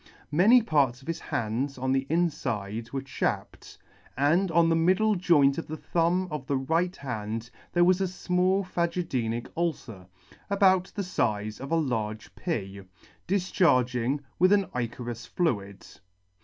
Many parts of his hands on 1 the [ 97 3 the infide were chapped, and on the middle joint of the thumb of the right hand there was a fmall phagedenic ulcer, about the fize of a large pea, difcharging an ichorous fluid.